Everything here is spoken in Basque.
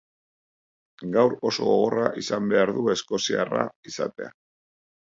Gaur oso gogorra izan behar du eskoziarra izatea.